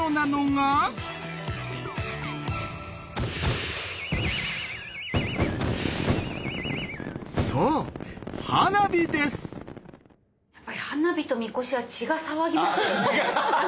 やっぱり花火とみこしは血が騒ぎますよね。